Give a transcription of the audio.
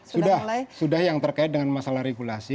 sudah sudah yang terkait dengan masalah regulasi